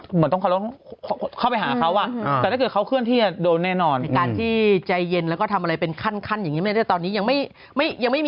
คือคล้ายกับว่าถ้าเกิดตอนนี้กบด้านอยู่นิ่งเฉย